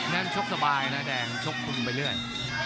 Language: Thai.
นั้นชกสบายนะแดงชกคุมไปเรื่อย